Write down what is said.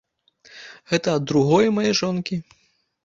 Гэта ад другое мае жонкі.